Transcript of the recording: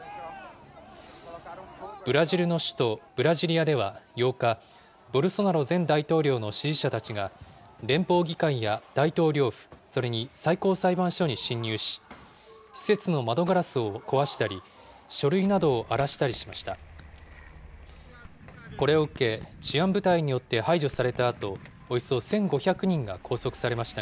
ブラジルの首都ブラジリアでは８日、ボルソナロ前大統領の支持者たちが、連邦議会や大統領府、それに最高裁判所に侵入し、施設の窓ガラスを壊したり、書類などを荒らしたりしました。